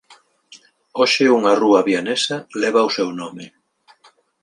Hoxe unha rúa vianesa leva o seu nome.